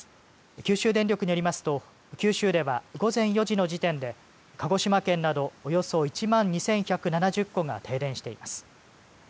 九州電力によりますと九州では午前４時の時点で鹿児島県などおよそ１万２１７０戸が停電しています。